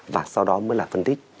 và sau đó mới là phân tích